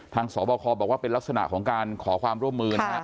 ทางส่อบ่าคอบอกว่าเป็นลักษณะของการขอความร่วมมือค่ะ